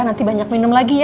nanti banyak minum lagi ya